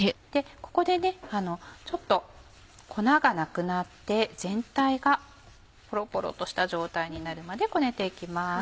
ここでちょっと粉がなくなって全体がポロポロとした状態になるまでこねて行きます。